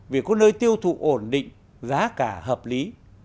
vì có nơi tiêu thụ ổn định giá cả hợp lý